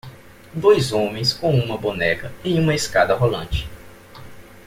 Dois homens com uma boneca em uma escada rolante.